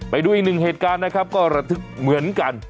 ไปดูอีกหนึ่งเหตุการณ์นะครับก็ระทึกเหมือนกัน